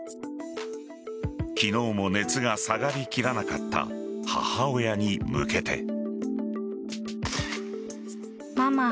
昨日も熱が下がりきらなかった母親に向けて。